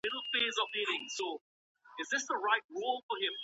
د ښوونکي مهرباني زده کوونکي هڅوي.